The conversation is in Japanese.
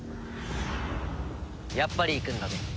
やっぱり行くんだね。